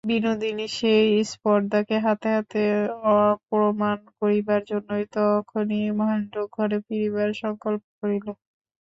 বিনোদিনীর সেই স্পর্ধাকে হাতে হাতে অপ্রমাণ করিবার জন্যই তখনি মহেন্দ্র ঘরে ফিরিবার সংকল্প করিল।